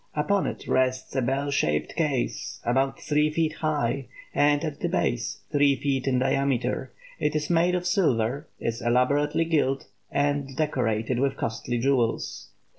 Upon it rests a bell shaped case, about three feet high, and at the base three feet in diameter. It is made of silver, is elaborately gilt, and decorated with costly jewels.